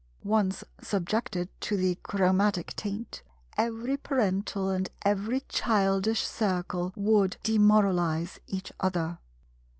Once subjected to the chromatic taint, every parental and every childish Circle would demoralize each other.